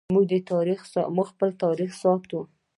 موږ خپل تاریخ ساتو